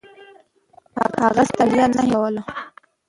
هغه ستړیا نه حس کوله.